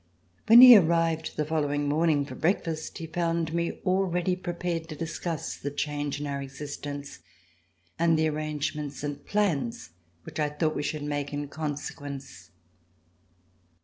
When he arrived the following morning for RECOLLECTIONS OF THE REVOLUTION breakfast he found me already prepared to discuss the change in our existence and the arrangements and plans which I thought we should make in consequence.